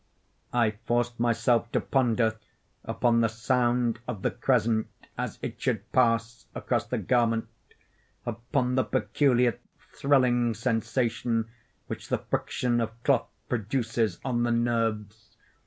I forced myself to ponder upon the sound of the crescent as it should pass across the garment—upon the peculiar thrilling sensation which the friction of cloth produces on the nerves.